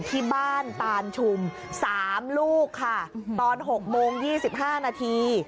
ที่บ้านตานชุม๓ลูกค่ะตอน๖โมง๒๕นาที